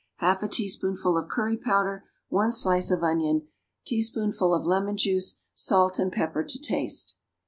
1/2 a teaspoonful of curry powder. 1 slice of onion. Teaspoonful of lemon juice. Salt and pepper to taste.